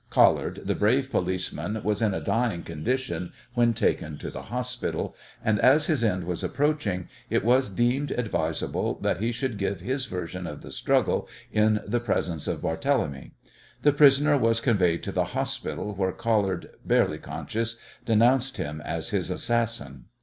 Collard, the brave policeman, was in a dying condition when taken to the hospital, and as his end was approaching it was deemed advisable that he should give his version of the struggle in the presence of Barthélemy. The prisoner was conveyed to the hospital where Collard, barely conscious, denounced him as his assassin.